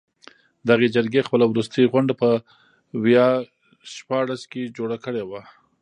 دغې جرګې خپله وروستۍ غونډه په ویا شپاړس کې جوړه کړې وه.